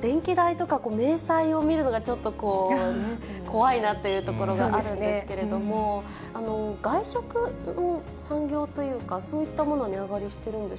電気代とか明細を見るのがちょっとこうね、怖いなっていうところがあるんですけれども、外食産業というか、そういったものは値上がりしてるんですか。